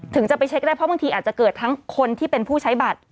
ถึงจะไปเช็คได้เพราะบางทีอาจจะเกิดทั้งคนที่เป็นผู้ใช้บัตร